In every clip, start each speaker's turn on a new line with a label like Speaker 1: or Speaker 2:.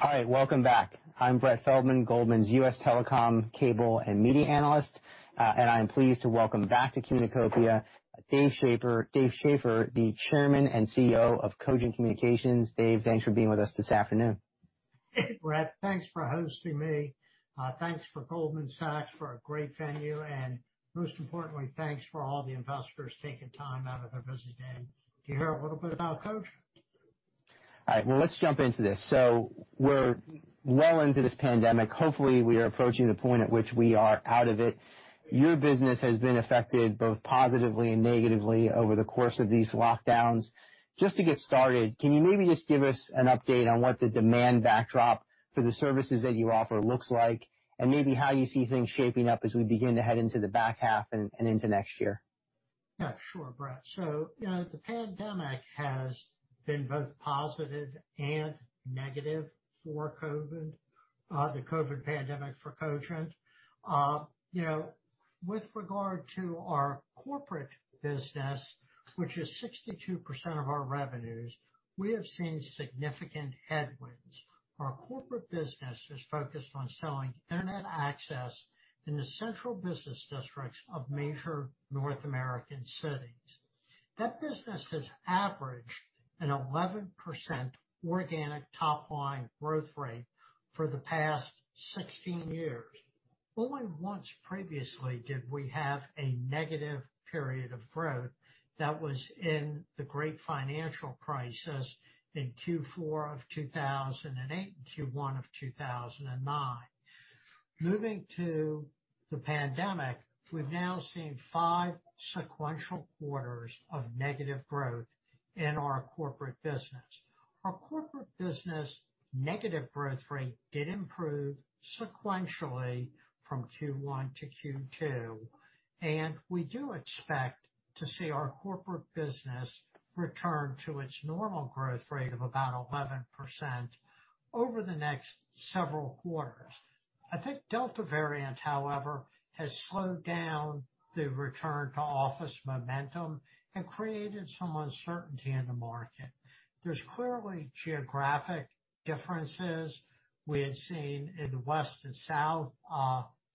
Speaker 1: Hi, welcome back. I'm Brett Feldman, Goldman's U.S. Telecom, Cable and Media analyst. I am pleased to welcome back to Communacopia, Dave Schaeffer. Dave Schaeffer, the Chairman and CEO of Cogent Communications. Dave, thanks for being with us this afternoon.
Speaker 2: Brett, thanks for hosting me. Thanks for Goldman Sachs for a great venue, and most importantly, thanks for all the investors taking time out of their busy day to hear a little bit about Cogent.
Speaker 1: All right. Well, let's jump into this. We're well into this pandemic. Hopefully, we are approaching the point at which we are out of it. Your business has been affected both positively and negatively over the course of these lockdowns. Just to get started, can you maybe just give us an update on what the demand backdrop for the services that you offer looks like, and maybe how you see things shaping up as we begin to head into the back half and into next year?
Speaker 2: Yeah, sure, Brett. The pandemic has been both positive and negative for Cogent, the COVID pandemic for Cogent. With regard to our corporate business, which is 62% of our revenues, we have seen significant headwinds. Our corporate business is focused on selling internet access in the central business districts of major North American cities. That business has averaged an 11% organic top line growth rate for the past 16 years. Only once previously did we have a negative period of growth. That was in the great financial crisis in Q4 of 2008 and Q1 of 2009. Moving to the pandemic, we've now seen five sequential quarters of negative growth in our corporate business. Our corporate business negative growth rate did improve sequentially from Q1 - Q2, and we do expect to see our corporate business return to its normal growth rate of about 11% over the next several quarters. I think Delta variant, however, has slowed down the return-to-office momentum and created some uncertainty in the market. There's clearly geographic differences. We had seen in the West and South,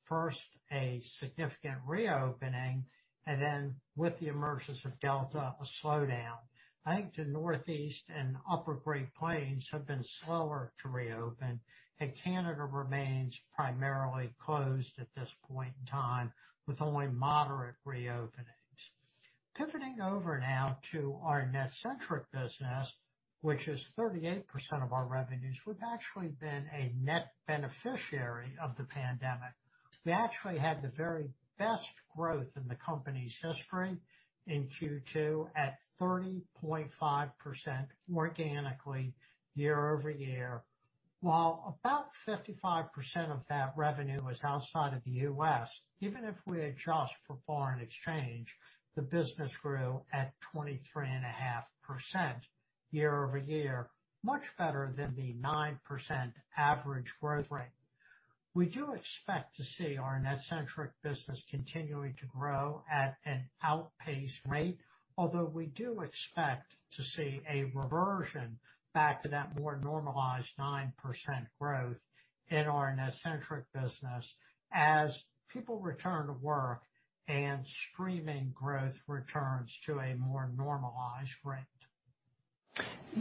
Speaker 2: first, a significant reopening, and then with the emergence of Delta, a slowdown. I think the Northeast and Upper Great Plains have been slower to reopen, and Canada remains primarily closed at this point in time, with only moderate reopenings. Pivoting over now to our NetCentric business, which is 38% of our revenues, we've actually been a net beneficiary of the pandemic. We actually had the very best growth in the company's history in Q2 at 30.5% organically year-over-year, while about 55% of that revenue was outside of the U.S. Even if we adjust for foreign exchange, the business grew at 23.5% year-over-year, much better than the nine percent average growth rate. We do expect to see our NetCentric business continuing to grow at an outpaced rate, although we do expect to see a reversion back to that more normalized nine percent growth in our NetCentric business as people return to work and streaming growth returns to a more normalized rate.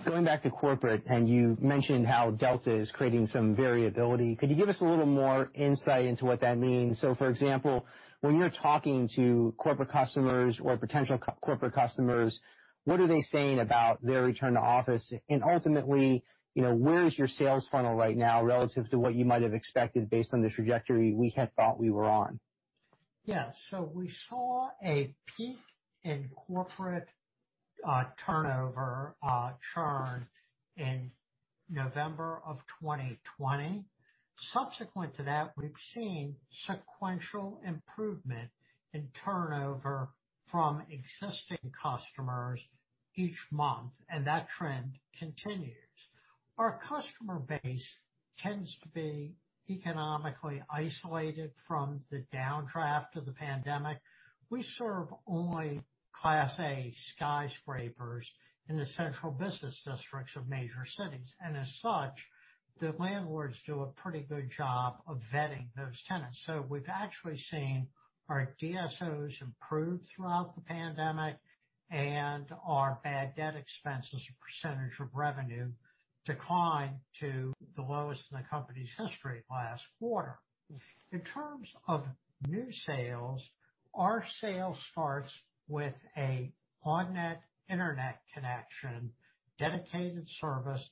Speaker 1: Going back to corporate, and you mentioned how Delta is creating some variability. Could you give us a little more insight into what that means? For example, when you're talking to corporate customers or potential corporate customers, what are they saying about their return to office? Ultimately, where is your sales funnel right now relative to what you might have expected based on the trajectory we had thought we were on?
Speaker 2: Yeah. We saw a peak in corporate turnover churn in November of 2020. Subsequent to that, we've seen sequential improvement in turnover from existing customers each month, and that trend continues. Our customer base tends to be economically isolated from the downdraft of the pandemic. We serve only Class A skyscrapers in the central business districts of major cities, and as such, the landlords do a pretty good job of vetting those tenants. We've actually seen our DSOs improve throughout the pandemic and our bad debt expenses percentage of revenue decline to the lowest in the company's history last quarter. In terms of new sales, our sale starts with a on-net internet connection dedicated service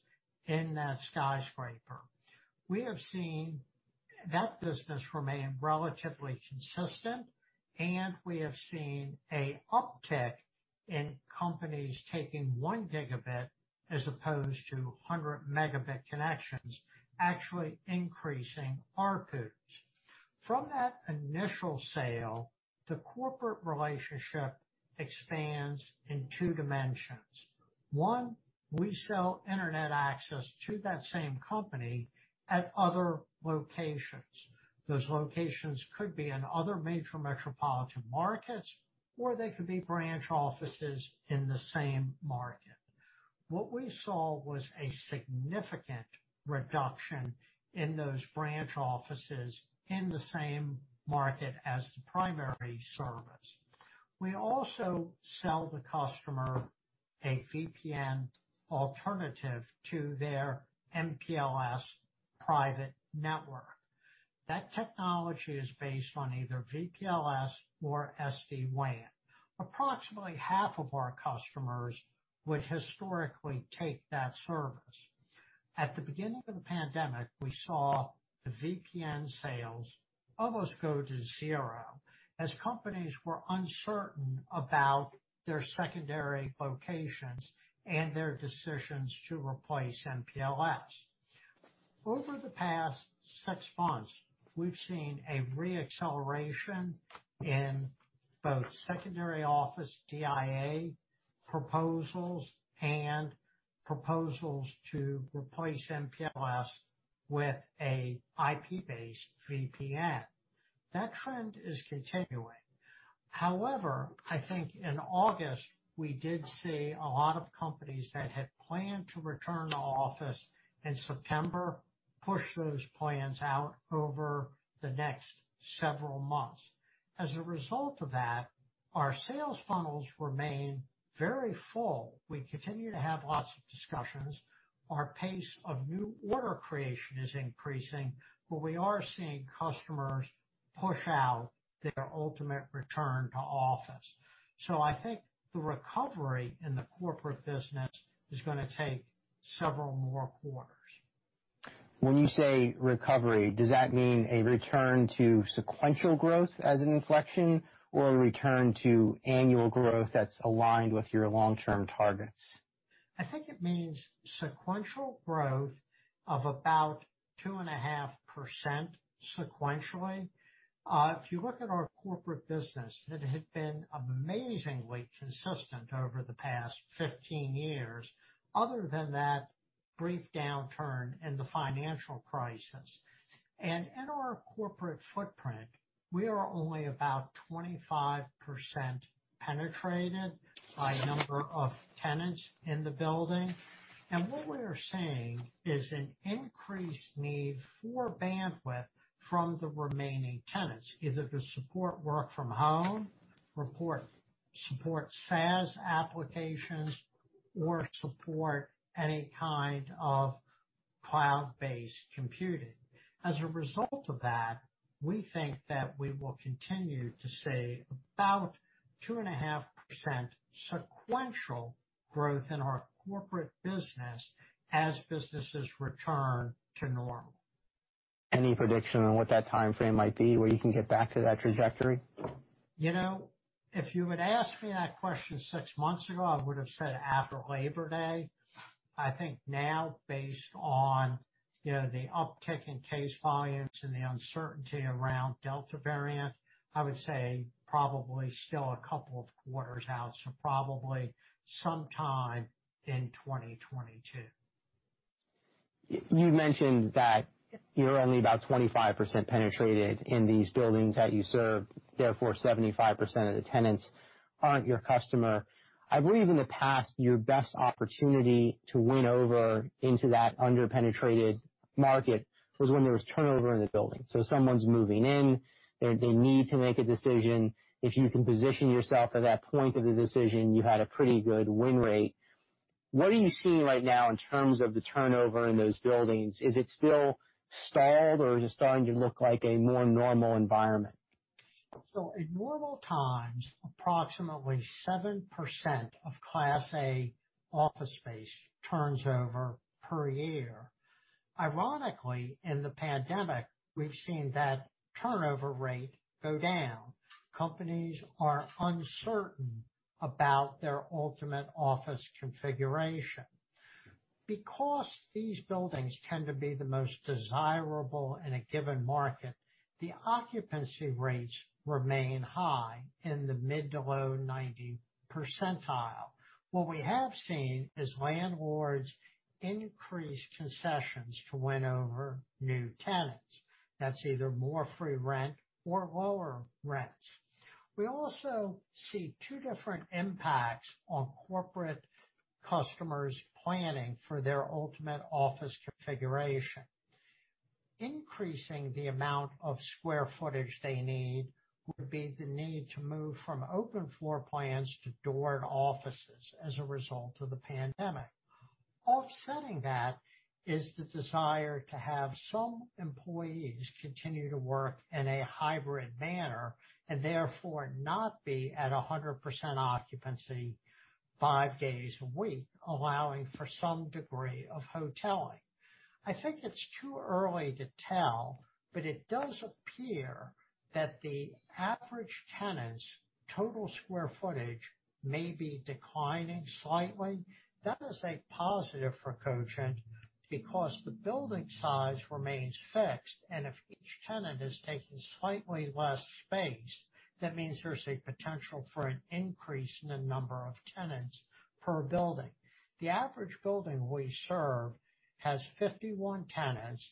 Speaker 2: in that skyscraper. We have seen that business remain relatively consistent, and we have seen a uptick in companies taking one gigabit as opposed to 100 megabit connections, actually increasing ARPUs. From that initial sale, the corporate relationship expands in two dimensions. One, we sell internet access to that same company at other locations. Those locations could be in other major metropolitan markets, or they could be branch offices in the same market. What we saw was a significant reduction in those branch offices in the same market as the primary service. We also sell the customer a VPN alternative to their MPLS private network. That technology is based on either VPLS or SD-WAN. Approximately half of our customers would historically take that service. At the beginning of the pandemic, we saw the VPN sales almost go to 0 as companies were uncertain about their secondary locations and their decisions to replace MPLS. Over the past six months, we've seen a re-acceleration in both secondary office DIA proposals and proposals to replace MPLS with a IP-based VPN. That trend is continuing. However, I think in August, we did see a lot of companies that had planned to return to office in September, push those plans out over the next several months. As a result of that, our sales funnels remain very full. We continue to have lots of discussions. Our pace of new order creation is increasing, but we are seeing customers push out their ultimate return to office. I think the recovery in the corporate business is going to take several more quarters.
Speaker 1: When you say recovery, does that mean a return to sequential growth as an inflection, or a return to annual growth that's aligned with your long-term targets?
Speaker 2: I think it means sequential growth of about 2.5% sequentially. If you look at our corporate business, it had been amazingly consistent over the past 15 years, other than that brief downturn in the financial crisis. In our corporate footprint, we are only about 25% penetrated by number of tenants in the building. What we are seeing is an increased need for bandwidth from the remaining tenants, either to support work from home, support SaaS applications, or support any kind of cloud-based computing. As a result of that, we think that we will continue to see about 2.5% sequential growth in our corporate business as businesses return to normal.
Speaker 1: Any prediction on what that timeframe might be, where you can get back to that trajectory?
Speaker 2: If you had asked me that question six months ago, I would have said after Labor Day. I think now, based on the uptick in case volumes and the uncertainty around Delta variant, I would say probably still a couple of quarters out, so probably sometime in 2022.
Speaker 1: You mentioned that you're only about 25% penetrated in these buildings that you serve, therefore 75% of the tenants aren't your customer. I believe in the past, your best opportunity to win over into that under-penetrated market was when there was turnover in the building. Someone's moving in, they need to make a decision. If you can position yourself at that point of the decision, you had a pretty good win rate. What are you seeing right now in terms of the turnover in those buildings? Is it still stalled or is it starting to look like a more normal environment?
Speaker 2: In normal times, approximately seven percent of Class A office space turns over per year. Ironically, in the pandemic, we've seen that turnover rate go down. Companies are uncertain about their ultimate office configuration. Because these buildings tend to be the most desirable in a given market, the occupancy rates remain high, in the mid to low 90 percentile. What we have seen is landlords increase concessions to win over new tenants. That's either more free rent or lower rents. We also see two different impacts on corporate customers planning for their ultimate office configuration. Increasing the amount of square footage they need would be the need to move from open floor plans to doored offices as a result of the pandemic. Offsetting that is the desire to have some employees continue to work in a hybrid manner, and therefore not be at 100% occupancy five days a week, allowing for some degree of hoteling. I think it's too early to tell, but it does appear that the average tenant's total square footage may be declining slightly. That is a positive for Cogent because the building size remains fixed, and if each tenant is taking slightly less space. That means there's a potential for an increase in the number of tenants per building. The average building we serve has 51 tenants,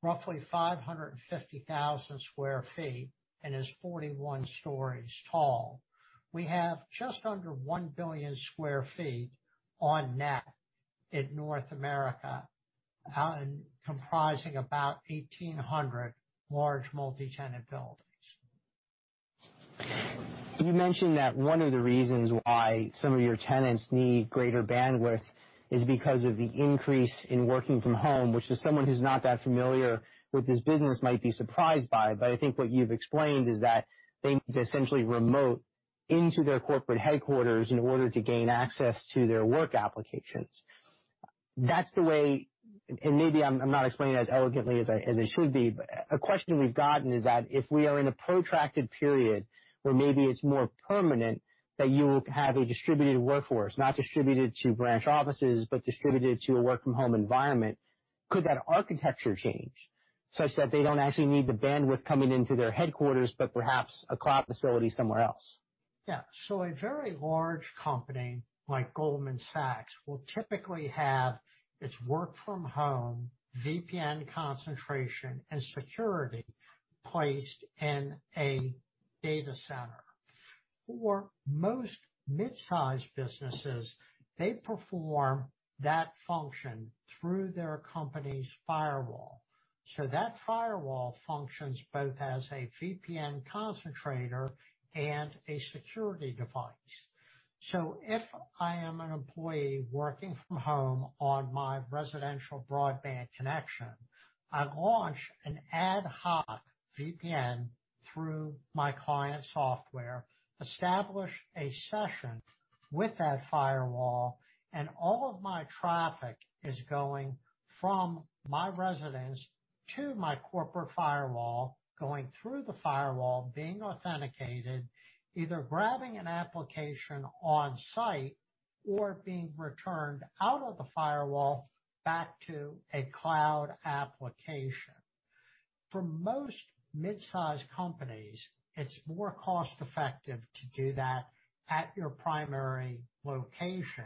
Speaker 2: roughly 550,000 sq ft, and is 41 stories tall. We have just under 1 billion sq ft on net in North America, comprising about 1,800 large multi-tenant buildings.
Speaker 1: You mentioned that one of the reasons why some of your tenants need greater bandwidth is because of the increase in working from home, which is someone who's not that familiar with this business might be surprised by. I think what you've explained is that they need to essentially remote into their corporate headquarters in order to gain access to their work applications. That's the way, and maybe I'm not explaining it as elegantly as I should be. A question we've gotten is that if we are in a protracted period where maybe it's more permanent, that you will have a distributed workforce, not distributed to branch offices, but distributed to a work from home environment, could that architecture change such that they don't actually need the bandwidth coming into their headquarters but perhaps a cloud facility somewhere else?
Speaker 2: A very large company like Goldman Sachs will typically have its work from home VPN concentration and security placed in a data center. For most mid-sized businesses, they perform that function through their company's firewall. That firewall functions both as a VPN concentrator and a security device. If I am an employee working from home on my residential broadband connection, I launch an ad hoc VPN through my client software, establish a session with that firewall, and all of my traffic is going from my residence to my corporate firewall, going through the firewall, being authenticated, either grabbing an application on site or being returned out of the firewall back to a cloud application. For most mid-size companies, it's more cost effective to do that at your primary location,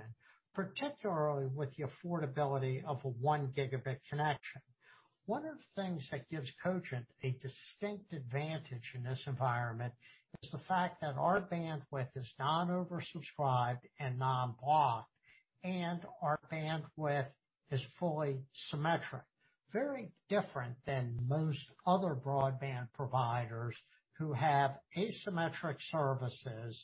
Speaker 2: particularly with the affordability of a one gigabit connection. One of the things that gives Cogent a distinct advantage in this environment is the fact that our bandwidth is non-oversubscribed and non-blocked, and our bandwidth is fully symmetric. Very different than most other broadband providers who have asymmetric services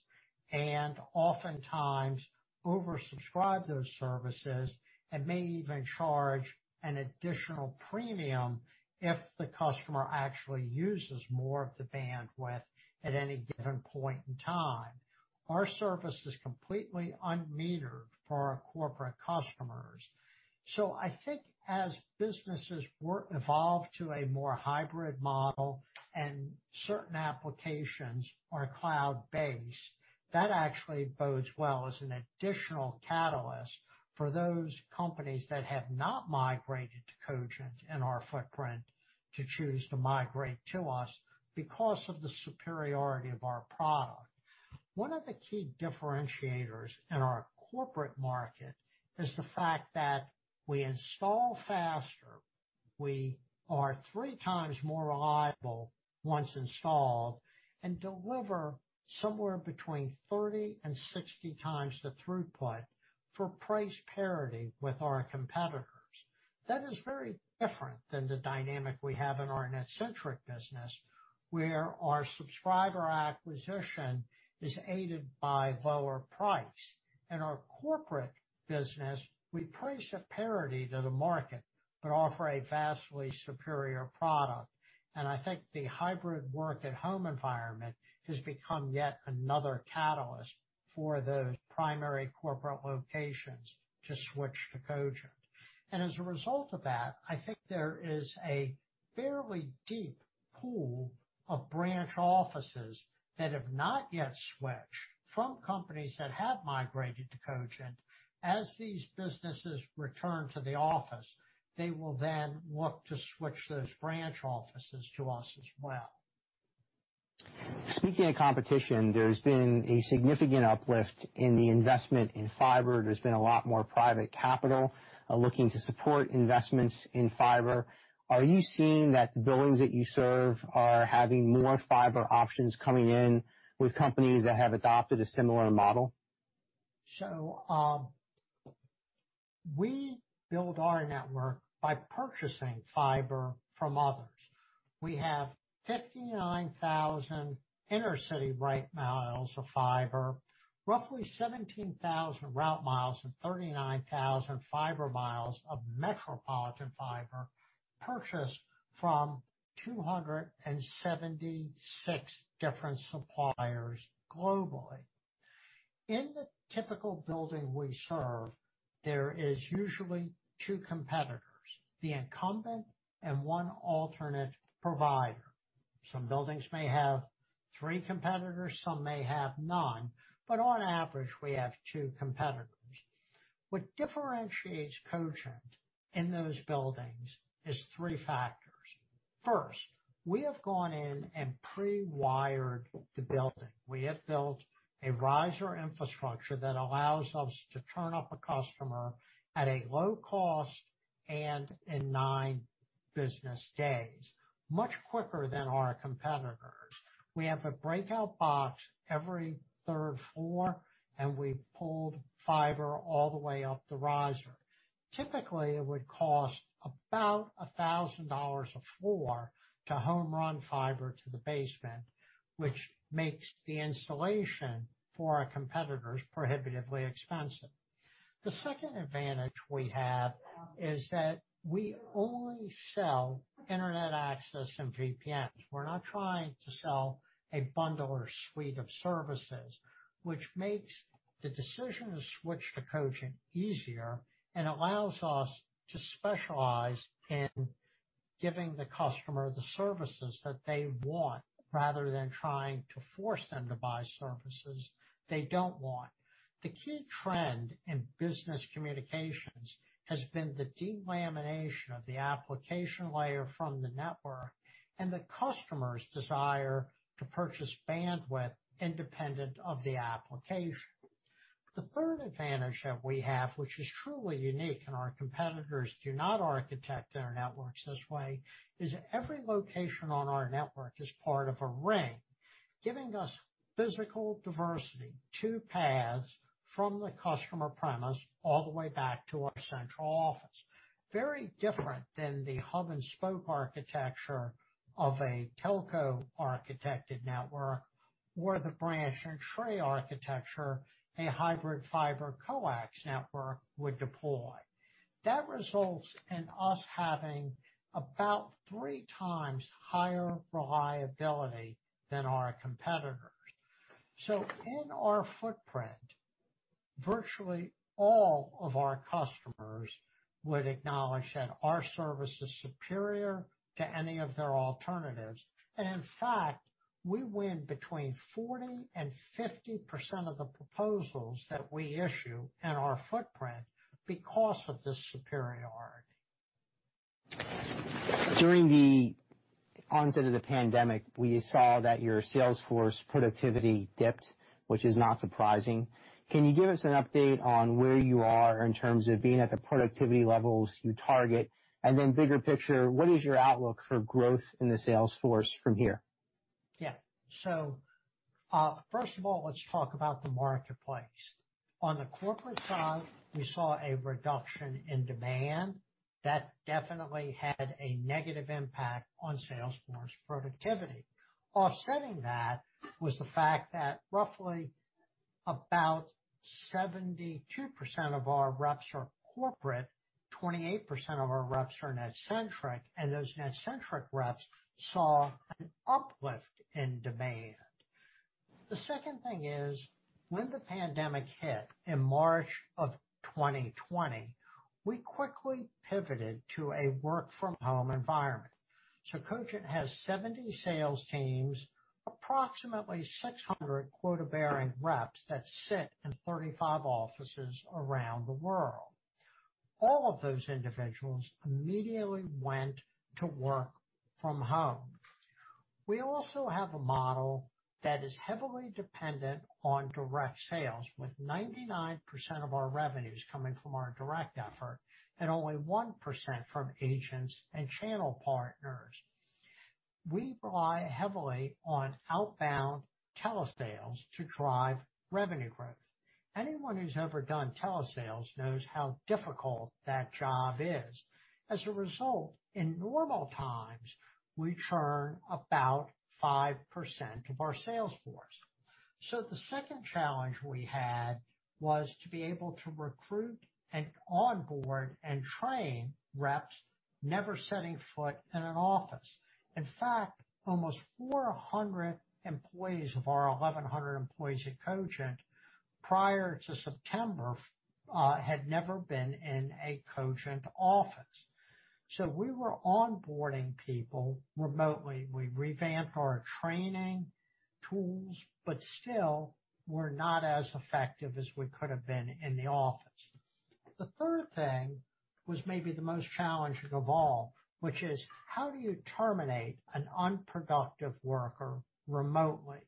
Speaker 2: and oftentimes oversubscribe those services and may even charge an additional premium if the customer actually uses more of the bandwidth at any given point in time. Our service is completely unmetered for our corporate customers. I think as businesses work, evolve to a more hybrid model and certain applications are cloud-based, that actually bodes well as an additional catalyst for those companies that have not migrated to Cogent and our footprint to choose to migrate to us because of the superiority of our product. One of the key differentiators in our corporate market is the fact that we install faster, we are three times more reliable once installed, and deliver somewhere between 30 and 60x the throughput for price parity with our competitors. That is very different than the dynamic we have in our NetCentric business, where our subscriber acquisition is aided by lower price. In our corporate business, we price a parity to the market but offer a vastly superior product. I think the hybrid work-at-home environment has become yet another catalyst for those primary corporate locations to switch to Cogent. As a result of that, I think there is a fairly deep pool of branch offices that have not yet switched from companies that have migrated to Cogent. As these businesses return to the office, they will then look to switch those branch offices to us as well.
Speaker 1: Speaking of competition, there's been a significant uplift in the investment in fiber. There's been a lot more private capital looking to support investments in fiber. Are you seeing that the buildings that you serve are having more fiber options coming in with companies that have adopted a similar model?
Speaker 2: We build our network by purchasing fiber from others. We have 59,000 inner city route miles of fiber, roughly 17,000 route miles and 39,000 fiber miles of metropolitan fiber purchased from 276 different suppliers globally. In the typical building we serve, there is usually two competitors, the incumbent and one alternate provider. Some buildings may have three competitors, some may have none, but on average, we have two competitors. What differentiates Cogent in those buildings is three factors. First, we have gone in and pre-wired the building. We have built a riser infrastructure that allows us to turn up a customer at a low cost and in 9 business days, much quicker than our competitors. We have a breakout box every third floor, and we pulled fiber all the way up the riser. Typically, it would cost about $1,000 a floor to home run fiber to the basement, which makes the installation for our competitors prohibitively expensive. The second advantage we have is that we only sell internet access and VPNs. We're not trying to sell a bundle or suite of services, which makes the decision to switch to Cogent easier and allows us to specialize in giving the customer the services that they want, rather than trying to force them to buy services they don't want. The key trend in business communications has been the delamination of the application layer from the network, and the customer's desire to purchase bandwidth independent of the application. The third advantage that we have, which is truly unique, and our competitors do not architect their networks this way, is every location on our network is part of a ring, giving us physical diversity, two paths from the customer premise all the way back to our central office. Very different than the hub-and-spoke architecture of a telco architected network, or the branch and tree architecture a hybrid fiber coax network would deploy. That results in us having about 3x higher reliability than our competitors. In our footprint, virtually all of our customers would acknowledge that our service is superior to any of their alternatives. In fact, we win between 40% and 50% of the proposals that we issue in our footprint, because of this superiority.
Speaker 1: During the onset of the pandemic, we saw that your sales force productivity dipped, which is not surprising. Can you give us an update on where you are in terms of being at the productivity levels you target? Bigger picture, what is your outlook for growth in the sales force from here?
Speaker 2: Yeah. First of all, let's talk about the marketplace. On the corporate side, we saw a reduction in demand that definitely had a negative impact on sales force productivity. Offsetting that was the fact that roughly about 72% of our reps are corporate, 28% of our reps are NetCentric, and those NetCentric reps saw an uplift in demand. The second thing is, when the pandemic hit in March of 2020, we quickly pivoted to a work from home environment. Cogent has 70 sales teams, approximately 600 quota-bearing reps that sit in 35 offices around the world. All of those individuals immediately went to work from home. We also have a model that is heavily dependent on direct sales, with 99% of our revenues coming from our direct effort and only one percent from agents and channel partners. We rely heavily on outbound telesales to drive revenue growth. Anyone who's ever done telesales knows how difficult that job is. As a result, in normal times, we churn about five percent of our sales force. The second challenge we had was to be able to recruit and onboard and train reps, never setting foot in an office. In fact, almost 400 employees of our 1,100 employees at Cogent prior to September, had never been in a Cogent office. We were onboarding people remotely. We revamped our training tools, but still were not as effective as we could have been in the office. The third thing was maybe the most challenging of all, which is how do you terminate an unproductive worker remotely?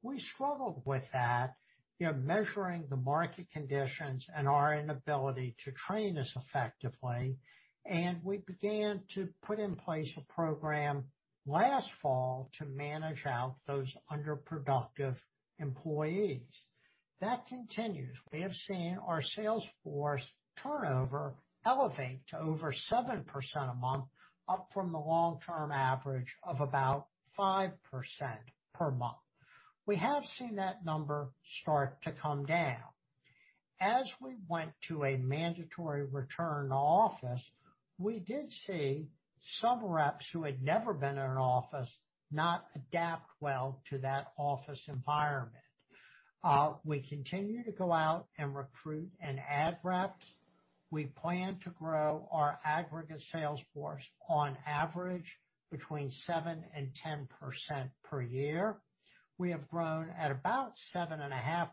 Speaker 2: We struggled with that, measuring the market conditions and our inability to train as effectively, and we began to put in place a program last fall to manage out those underproductive employees. That continues. We have seen our sales force turnover elevate to over seven percent a month, up from the long-term average of about five percent per month. We have seen that number start to come down. We went to a mandatory return to office, we did see some reps who had never been in an office not adapt well to that office environment. We continue to go out and recruit and add reps. We plan to grow our aggregate sales force on average between 7%-10% per year. We have grown at about 7.5%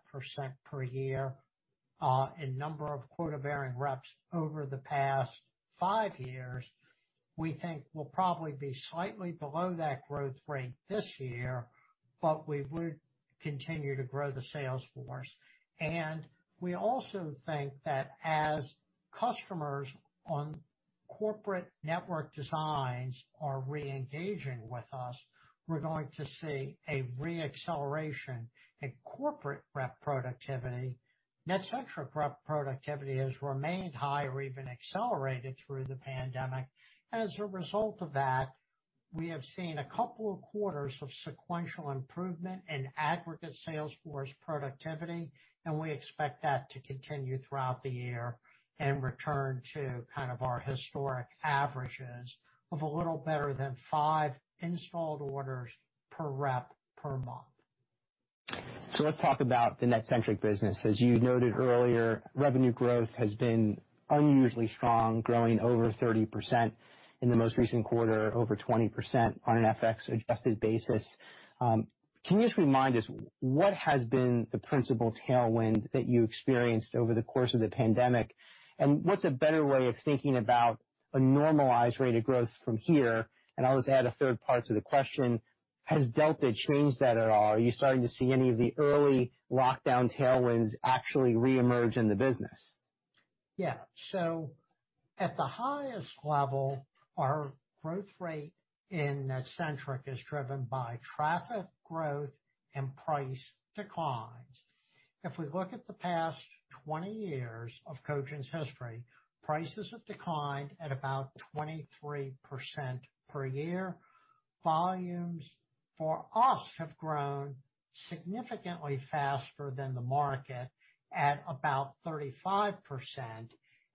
Speaker 2: per year in number of quota-bearing reps over the past five years. We think we'll probably be slightly below that growth rate this year, we would continue to grow the sales force. We also think that as customers on corporate network designs are re-engaging with us, we're going to see a re-acceleration in corporate rep productivity. NetCentric rep productivity has remained high or even accelerated through the pandemic. As a result of that, we have seen a couple of quarters of sequential improvement in aggregate sales force productivity, and we expect that to continue throughout the year and return to our historic averages of a little better than five installed orders per rep per month.
Speaker 1: Let's talk about the NetCentric business. As you noted earlier, revenue growth has been unusually strong, growing over 30% in the most recent quarter, over 20% on an FX adjusted basis. Can you just remind us what has been the principal tailwind that you experienced over the course of the pandemic? What's a better way of thinking about a normalized rate of growth from here? I'll just add a third part to the question, has Delta changed that at all? Are you starting to see any of the early lockdown tailwinds actually re-emerge in the business?
Speaker 2: At the highest level, our growth rate in NetCentric is driven by traffic growth and price declines. If we look at the past 20 years of Cogent Communications' history, prices have declined at about 23% per year. Volumes for us have grown significantly faster than the market at about 35%,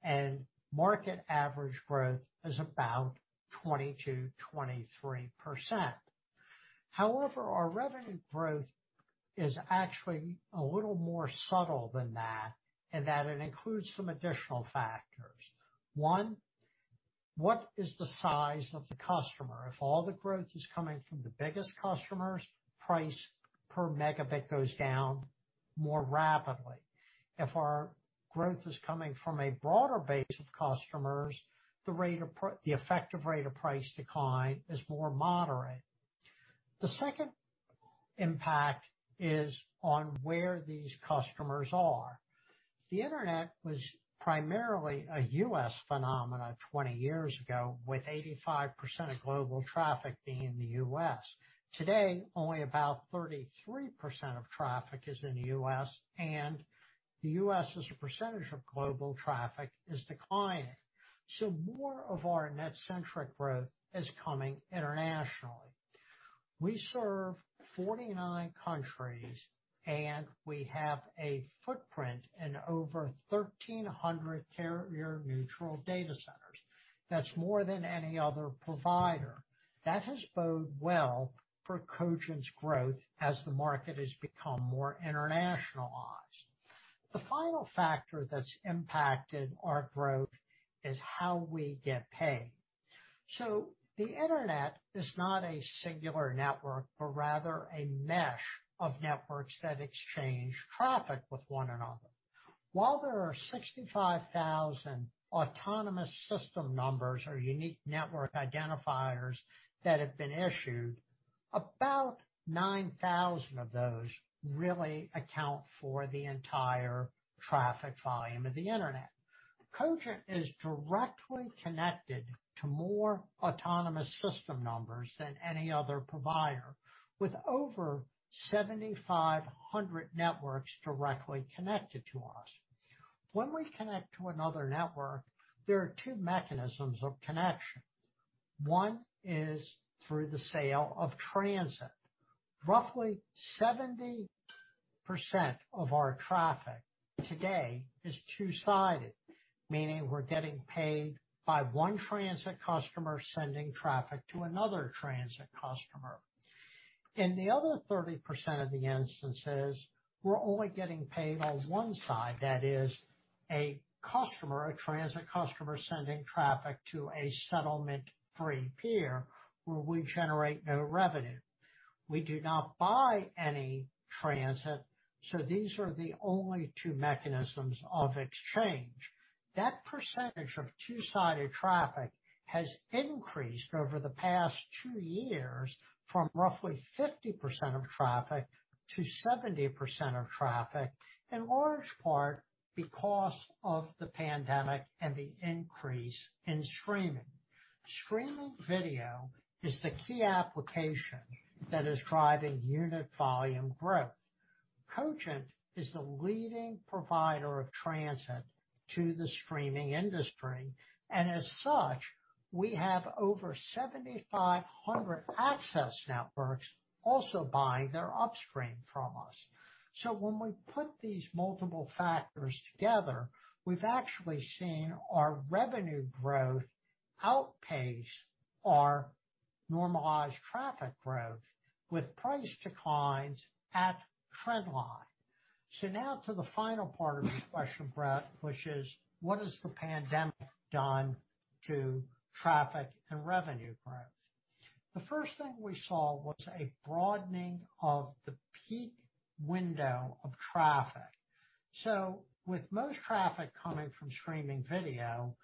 Speaker 2: and market average growth is about 22%, 23%. Our revenue growth is actually a little more subtle than that, in that it includes some additional factors. one, what is the size of the customer? If all the growth is coming from the biggest customers, price per megabit goes down more rapidly. If our growth is coming from a broader base of customers, the effective rate of price decline is more moderate. The second impact is on where these customers are. The internet was primarily a U.S. phenomenon 20 years ago, with 85% of global traffic being in the U.S. Today, only about 33% of traffic is in the U.S., and the U.S. as a percentage of global traffic is declining. More of our NetCentric growth is coming internationally. We serve 49 countries, and we have a footprint in over 1,300 carrier-neutral data centers. That's more than any other provider. That has bode well for Cogent's growth as the market has become more internationalized. The final factor that's impacted our growth is how we get paid. The internet is not a singular network, but rather a mesh of networks that exchange traffic with one another. While there are 65,000 autonomous system numbers or unique network identifiers that have been issued, about 9,000 of those really account for the entire traffic volume of the internet. Cogent is directly connected to more autonomous system numbers than any other provider, with over 7,500 networks directly connected to us. When we connect to another network, there are two mechanisms of connection. One is through the sale of transit. Roughly 70% of our traffic today is two-sided, meaning we're getting paid by one transit customer sending traffic to another transit customer. In the other 30% of the instances, we're only getting paid on one side. That is, a customer, a transit customer, sending traffic to a settlement-free peer where we generate no revenue. We do not buy any transit, so these are the only two mechanisms of exchange. That percentage of two-sided traffic has increased over the past two years from roughly 50% of traffic to 70% of traffic, in large part because of the pandemic and the increase in streaming. Streaming video is the key application that is driving unit volume growth. Cogent is the leading provider of transit to the streaming industry. As such, we have over 7,500 access networks also buying their upstream from us. When we put these multiple factors together, we've actually seen our revenue growth outpace our normalized traffic growth with price declines at trend line. Now to the final part of your question, Brett, which is: What has the pandemic done to traffic and revenue growth? The first thing we saw was a broadening of the peak window of traffic. With most traffic coming from streaming video,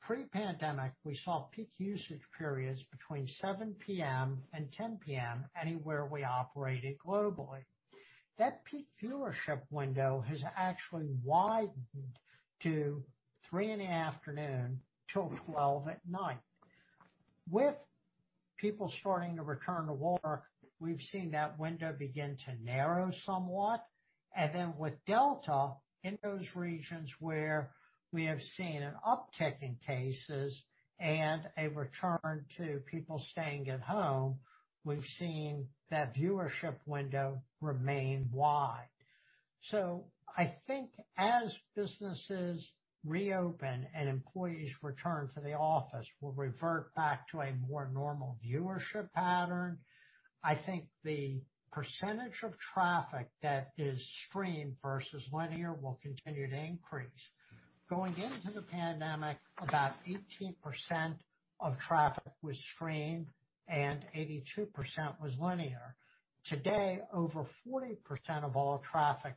Speaker 2: pre-pandemic, we saw peak usage periods between 7:00 P.M. and 10:00 P.M. anywhere we operated globally. That peak viewership window has actually widened to 3:00 P.M. till 12:00 A.M. With people starting to return to work, we've seen that window begin to narrow somewhat, and then with Delta, in those regions where we have seen an uptick in cases and a return to people staying at home, we've seen that viewership window remain wide. I think as businesses reopen and employees return to the office, we'll revert back to a more normal viewership pattern. I think the percentage of traffic that is streamed versus linear will continue to increase. Going into the pandemic, about 18% of traffic was streamed and 82% was linear. Today, over 40% of all traffic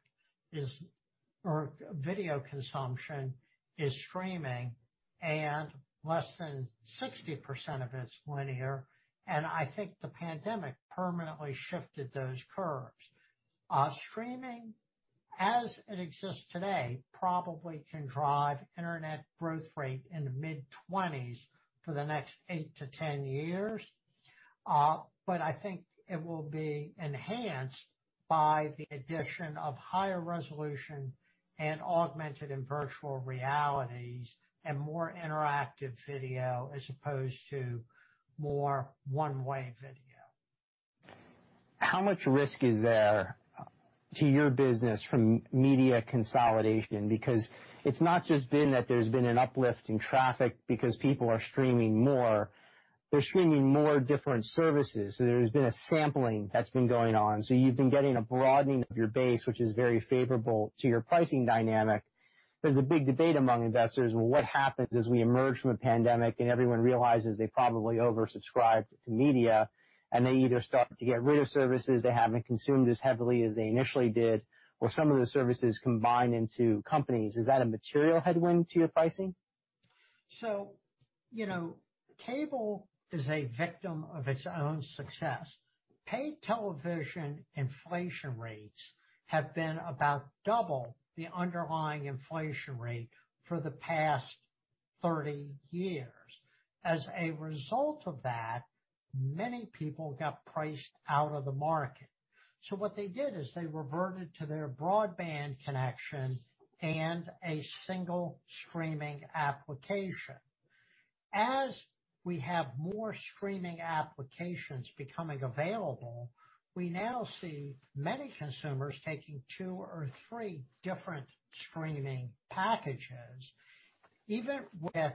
Speaker 2: or video consumption is streaming, and less than 60% of it's linear, and I think the pandemic permanently shifted those curves. Streaming, as it exists today, probably can drive internet growth rate in the mid-20s for the next 8 - 10 years. I think it will be enhanced by the addition of higher resolution and augmented in virtual realities and more interactive video as opposed to more one-way video.
Speaker 1: How much risk is there to your business from media consolidation? It's not just been that there's been an uplift in traffic because people are streaming more. They're streaming more different services. There's been a sampling that's been going on, so you've been getting a broadening of your base, which is very favorable to your pricing dynamic. There's a big debate among investors, well, what happens as we emerge from a pandemic and everyone realizes they probably oversubscribed to media, and they either start to get rid of services they haven't consumed as heavily as they initially did, or some of the services combine into companies. Is that a material headwind to your pricing?
Speaker 2: Cable is a victim of its own success. Paid television inflation rates have been about double the underlying inflation rate for the past 30 years. As a result of that, many people got priced out of the market. What they did is they reverted to their broadband connection and a single streaming application. As we have more streaming applications becoming available, we now see many consumers taking two or three different streaming packages. Even with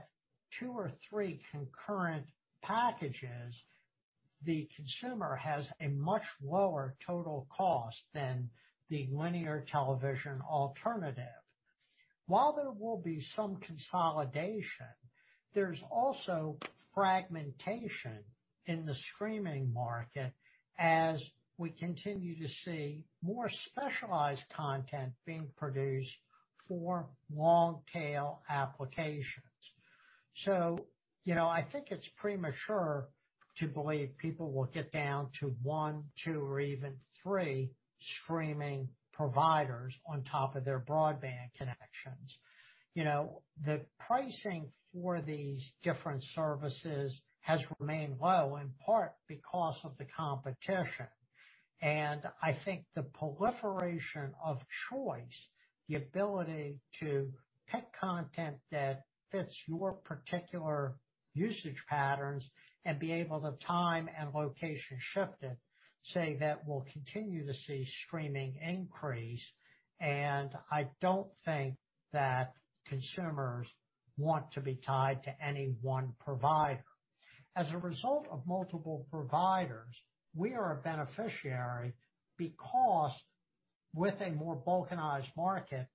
Speaker 2: two or three concurrent packages, the consumer has a much lower total cost than the linear television alternative. While there will be some consolidation, there's also fragmentation in the streaming market as we continue to see more specialized content being produced for long-tail applications. I think it's premature to believe people will get down to one, two, or even three streaming providers on top of their broadband connections. The pricing for these different services has remained low, in part because of the competition. I think the proliferation of choice, the ability to pick content that fits your particular usage patterns and be able to time and location shift it, say that we'll continue to see streaming increase, and I don't think that consumers want to be tied to any one provider. As a result of multiple providers, we are a beneficiary because with a more balkanized market,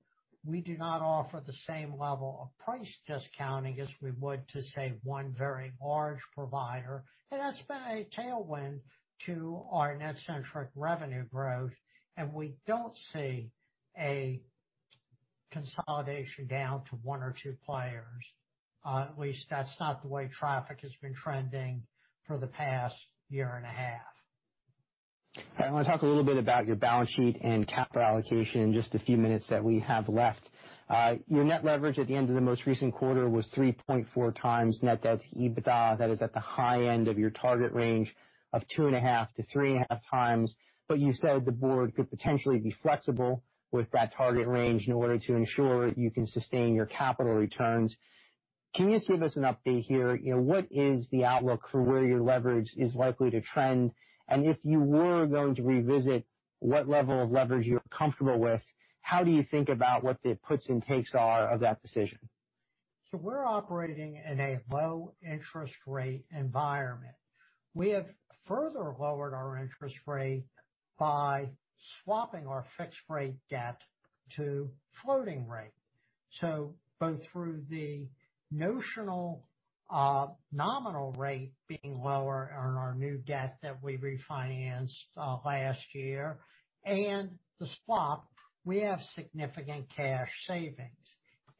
Speaker 2: we do not offer the same level of price discounting as we would to, say, one very large provider. That's been a tailwind to our NetCentric revenue growth, and we don't see a consolidation down to one or two players. At least that's not the way traffic has been trending for the past year and a half.
Speaker 1: I want to talk a little bit about your balance sheet and capital allocation in just the few minutes that we have left. Your net leverage at the end of the most recent quarter was 3.4x net debt EBITDA. That is at the high end of your target range of 2.5-3.5x. You said the board could potentially be flexible with that target range in order to ensure you can sustain your capital returns. Can you give us an update here? What is the outlook for where your leverage is likely to trend? If you were going to revisit what level of leverage you're comfortable with, how do you think about what the puts and takes are of that decision?
Speaker 2: We're operating in a low interest rate environment. We have further lowered our interest rate by swapping our fixed rate debt to floating rate. Both through the notional nominal rate being lower on our new debt that we refinanced last year and the swap, we have significant cash savings.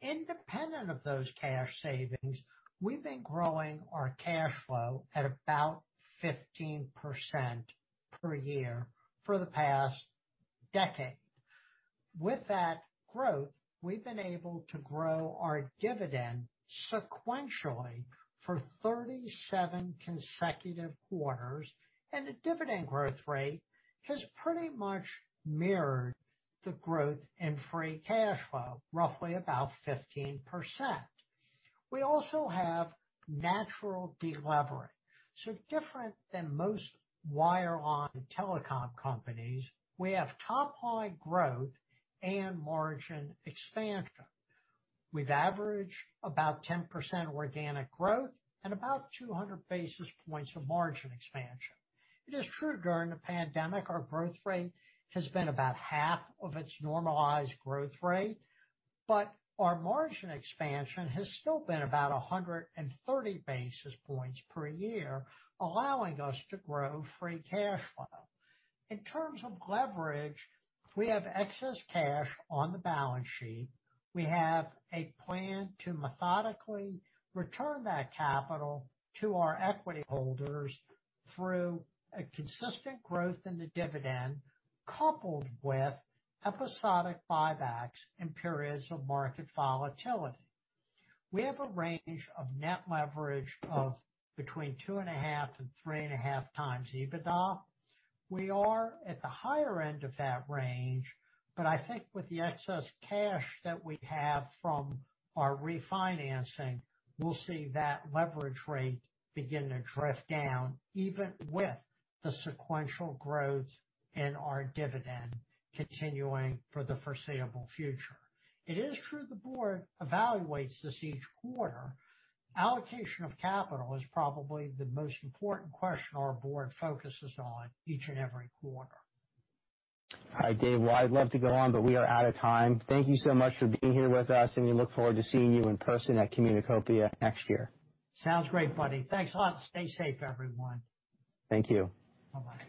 Speaker 2: Independent of those cash savings, we've been growing our cash flow at about 15% per year for the past decade. With that growth, we've been able to grow our dividend sequentially for 37 consecutive quarters, and the dividend growth rate has pretty much mirrored the growth in free cash flow, roughly about 15%. We also have natural de-levering. Different than most wireline telecom companies, we have top-line growth and margin expansion. We've averaged about 10% organic growth and about 200 basis points of margin expansion. It is true during the pandemic, our growth rate has been about half of its normalized growth rate, but our margin expansion has still been about 130 basis points per year, allowing us to grow free cash flow. In terms of leverage, we have excess cash on the balance sheet. We have a plan to methodically return that capital to our equity holders through a consistent growth in the dividend, coupled with episodic buybacks in periods of market volatility. We have a range of net leverage of between two and a half to three and a half times EBITDA. We are at the higher end of that range, but I think with the excess cash that we have from our refinancing, we'll see that leverage rate begin to drift down even with the sequential growth in our dividend continuing for the foreseeable future. It is true the board evaluates this each quarter. Allocation of capital is probably the most important question our board focuses on each and every quarter.
Speaker 1: Hi, Dave. Well, I'd love to go on, but we are out of time. Thank you so much for being here with us, and we look forward to seeing you in person at Communacopia next year.
Speaker 2: Sounds great, buddy. Thanks a lot. Stay safe, everyone.
Speaker 1: Thank you.
Speaker 2: Bye-bye.